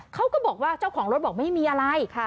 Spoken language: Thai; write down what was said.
เขาก็บอกว่าเจ้าของรถบอกไม่มีอะไร